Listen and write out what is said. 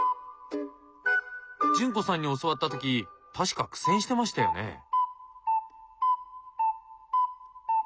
潤子さんに教わった時確か苦戦してましたよね？